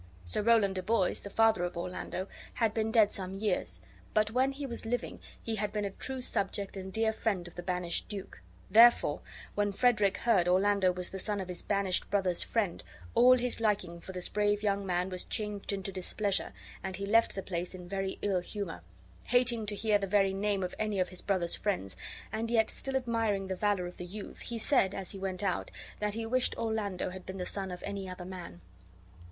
Sir Rowland de Boys, the father of Orlando, had been dead some years; but when he was living he had been a true subject and dear friend of the banished duke; therefore, when Frederick heard Orlando was the son of his banished brother's friend, all his liking for this brave young man was changed into displeasure and he left the place in very ill humor. Hating to bear the very name of any of his brother's friends, and yet still admiring the valor of the youth, he said, as he went out, that he wished Orlando had been the son of any other man.